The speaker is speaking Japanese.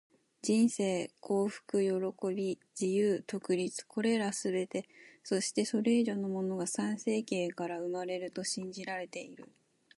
人生、幸福、喜び、自由、独立――これらすべて、そしてそれ以上のものが参政権から生まれると信じられている。